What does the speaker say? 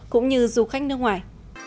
cũng như du khách nước ngoài